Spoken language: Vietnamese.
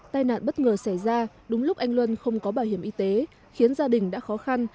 tai nạn bất ngờ xảy ra đúng lúc anh luân không có bảo hiểm y tế khiến gia đình đã khó khăn